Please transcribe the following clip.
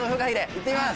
行ってみます。